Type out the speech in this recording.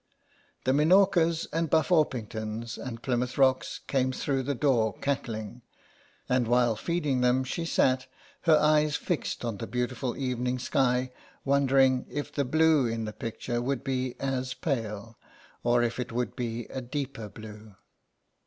The Minorcas, and Buff Orpingtons, and Plymouth Rocks came through the door cackling, and while feeding them she sat, her eyes fixed on the beautiful 103 SOME PARISHIONERS. evening sky, wondering if the blue in the picture would be as pale, or if it would be a deeper blue.